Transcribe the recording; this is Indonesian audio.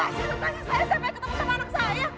lepas lepasin saya sampai ketemu sama anak saya